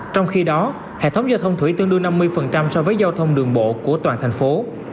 trong khi đó hệ thống giao thông thủy tương đương năm mươi so với giao thông đường bộ của toàn thành phố